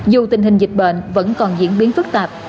dù tình hình dịch bệnh vẫn còn diễn biến phức tạp